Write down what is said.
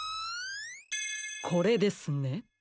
これですね。